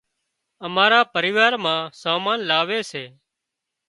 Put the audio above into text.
امارا پريوار مان سامان لاوي سي